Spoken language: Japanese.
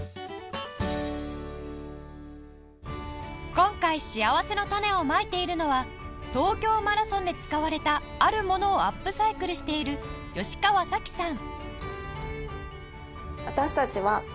今回しあわせのたねをまいているのは東京マラソンで使われたあるものをアップサイクルしている吉川紗希さん